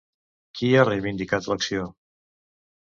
Qui ha reivindicat l'acció?